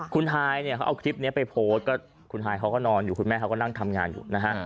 คุณฮายเนี่ยเขาเอาคลิปนี้ไปโพสต์ก็คุณฮายเขาก็นอนอยู่คุณแม่เขาก็นั่งทำงานอยู่นะฮะ